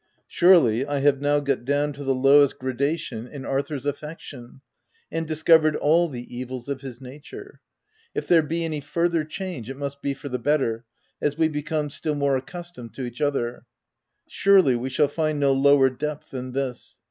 Surely I have now got down to the lowest gradation OF WILDFELL HALL. 159 in Arthur's affection, and discovered all the evils of his nature : if there be any further change, it must be for the better, as we become still more accustomed to each other : surely we shall find no lower depth than this.